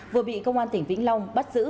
vừa bị công an tỉnh vĩnh long bắt giữ